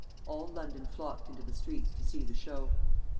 All London flocked into the streets to see the show.